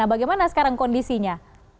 bagaimana sekarang kondisinya